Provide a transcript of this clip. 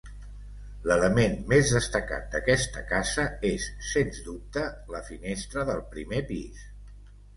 L'element més destacat d'aquesta casa, és sens dubte, la finestra del primer pis.